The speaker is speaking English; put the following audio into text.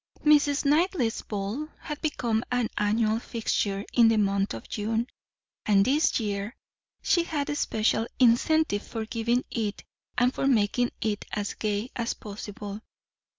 Mrs. Knightley's ball had become an annual fixture in the month of June, and this year she had a special incentive for giving it and for making it as gay as possible.